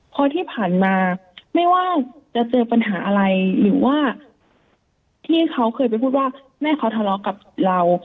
เพราะที่ผ่านมาไม่ว่าจะเจอปัญหาอะไรหรือว่าที่เขาเคยไปพูดว่าแม่เขาทะเลาะกับเรา